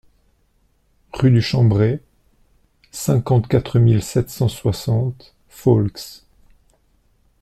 Rue du Chambré, cinquante-quatre mille sept cent soixante Faulx